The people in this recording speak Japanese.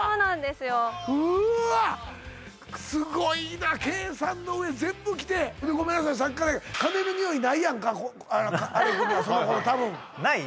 すごいな計算の上全部きてごめんなさいさっきからその頃たぶんない？